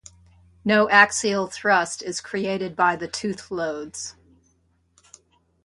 No axial thrust is created by the tooth loads.